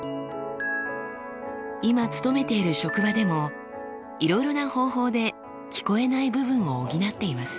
今勤めている職場でもいろいろな方法で聞こえない部分を補っています。